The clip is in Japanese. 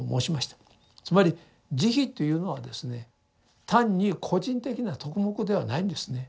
つまり慈悲というのはですね単に個人的な徳目ではないんですね。